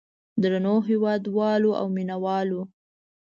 درنو هېوادوالو او مینه والو.